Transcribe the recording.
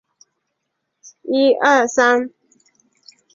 至中世纪以后广泛传遍世界。